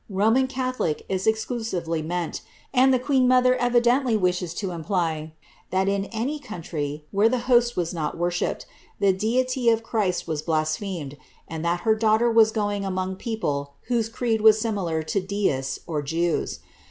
Reman catholic is exclusively meant ; and the queen mother evidently wishes to imply, that in any country where the host was not worshipped, the deity of Christ was blasphemed, and that her daughter was going among a people whose creed was similar to deists or Jews.